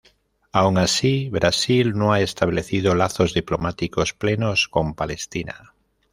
Aun así, Brasil no ha establecido lazos diplomáticos plenos con Palestina.